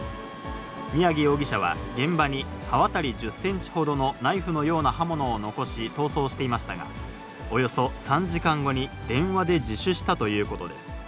宮城容疑者は、現場に刃渡り１０センチほどのナイフのような刃物を残し逃走していましたが、およそ３時間後に電話で自首したということです。